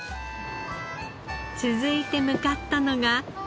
続いて向かったのが。